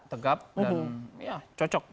tegap dan ya cocok